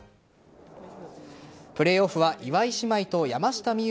プレーオフは岩井姉妹と山下美夢